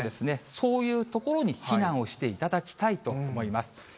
そういう所に避難をしていただきたいと思います。